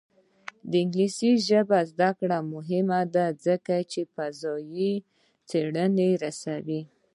د انګلیسي ژبې زده کړه مهمه ده ځکه چې فضايي څېړنې رسوي.